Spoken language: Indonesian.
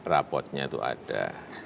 rapotnya itu ada